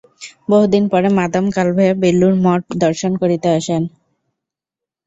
বহুদিন পরে madame Calve Belur মঠ দর্শন করিতে আসেন।